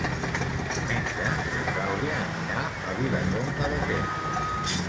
Diumenge na Clàudia anirà a Vilallonga de Ter.